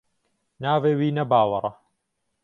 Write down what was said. Navê wî ne Bawer e.